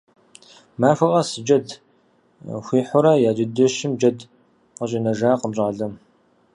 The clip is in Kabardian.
Махуэ къэс зы джэд хуихьурэ, я джэдэщым джэд къыщӏинэжакъым щӏалэм.